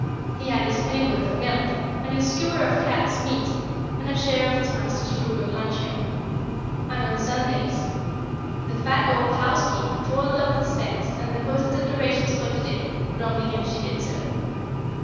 He had his pennyworth of milk, and his skewer of cats' meat, and a share of his master's frugal luncheon; and on Sundays the fat old housekeeper toiled up the stairs and deposited the rations for the day, grumbling as she did so.